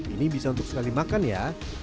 ini bisa untuk sekali makan ya